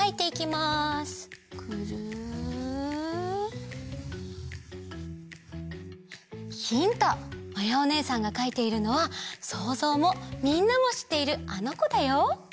まやおねえさんがかいているのはそうぞうもみんなもしっているあのこだよ。